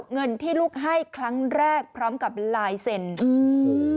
๒๘๘๔๙เงินที่ลูกให้ครั้งแรกพร้อมกับลายเซ็นด์